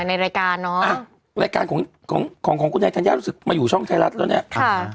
ในรายการเนอะอ่ะรายการของของของคุณไอธัญญารู้สึกมาอยู่ช่องไทยรัฐแล้วเนี่ยค่ะ